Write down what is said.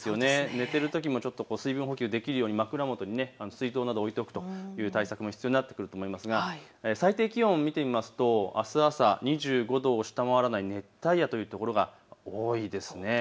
寝ているときも水分補給できるように枕元に水筒などを置いておくという対策も必要になってくると思いますが、最低気温を見てみますとあす朝、２５度を下回らない熱帯夜という所が多いです。